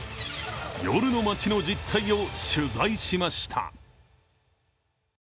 夜の街の実態を取材しました。